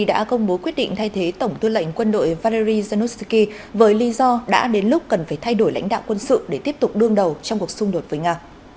đã công bố quyết định thay thế tổng tư lệnh quân đội vaery zelensky với lý do đã đến lúc cần phải thay đổi lãnh đạo quân sự để tiếp tục đương đầu trong cuộc xung đột với nga